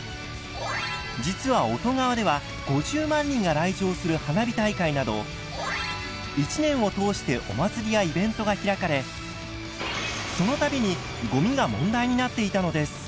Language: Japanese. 実は乙川では５０万人が来場する花火大会など一年を通してお祭りやイベントが開かれその度にごみが問題になっていたのです。